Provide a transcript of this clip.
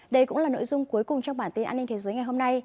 đây cũng là nội dung cuối cùng trong bản tin an ninh thế giới ngày hôm nay